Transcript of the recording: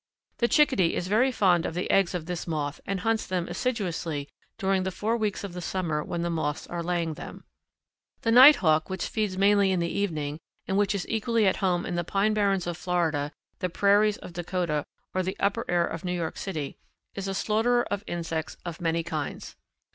The Chickadee is very fond of the eggs of this moth and hunts them assiduously during the four weeks of the summer when the moths are laying them. The Nighthawk, which feeds mainly in the evening, and which is equally at home in the pine barrens of Florida, the prairies of Dakota, or the upper air of New York City, is a slaughterer of insects of many kinds.